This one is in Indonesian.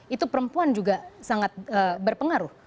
itu perempuan juga sangat berpengaruh